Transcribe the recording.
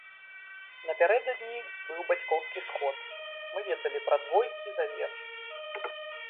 Напярэдадні быў бацькоўскі сход, мы ведалі пра двойкі за верш.